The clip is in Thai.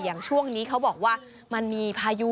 อย่างช่วงนี้เขาบอกว่ามันมีพายุ